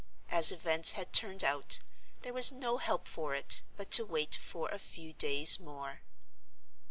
As events had turned out, there was no help for it but to wait for a few days more.